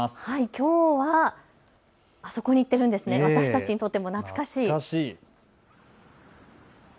きょうは、あそこに行っているんですね、私にとっても懐かしい。